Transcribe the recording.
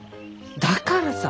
だからさ。